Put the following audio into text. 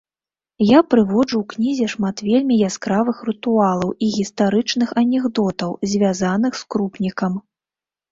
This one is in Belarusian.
Я прыводжу ў кнізе шмат вельмі яскравых рытуалаў і гістарычных анекдотаў, звязаных з крупнікам.